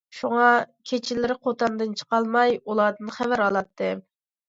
شۇڭا، كېچىلىرى قوتاندىن چىقالماي ئۇلاردىن خەۋەر ئالاتتىم.